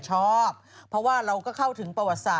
จากกระแสของละครกรุเปสันนิวาสนะฮะ